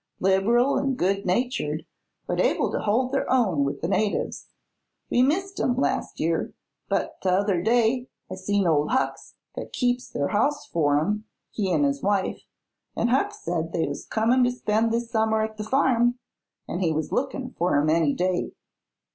Lib'ral an' good natured, but able to hold their own with the natives. We missed 'em, last year; but t'other day I seen ol' Hucks, that keeps their house for 'em he 'n' his wife an' Hucks said they was cumin' to spend this summer at the farm an' he was lookin' fer 'em any day.